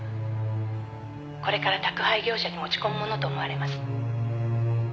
「これから宅配業者に持ち込むものと思われます」